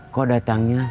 kok datangnya siang